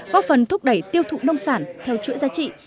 góp phần thúc đẩy tiêu thụ nông sản theo chuỗi giá trị